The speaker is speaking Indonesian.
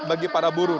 bagi para buruh